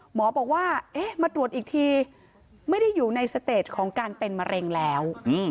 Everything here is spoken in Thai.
หมอบอกว่าเอ๊ะมาตรวจอีกทีไม่ได้อยู่ในสเตจของการเป็นมะเร็งแล้ว